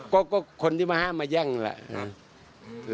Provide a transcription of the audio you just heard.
ก็คนที่มาห้ามมาแย่งแหละนะ